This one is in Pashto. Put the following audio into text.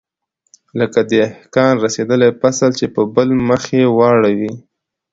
لکه د دهقان رسېدلى فصل چې په بل مخ يې واړوې.